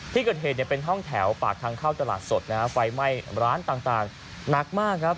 ที่เกิดเหตุเนี่ยเป็นห้องแถวปากทางเข้าตลาดสดนะฮะไฟไหม้ร้านต่างหนักมากครับ